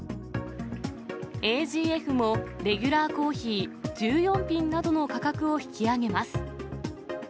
ＡＧＦもレギュラーコーヒー１４品などの価格を引き上げます。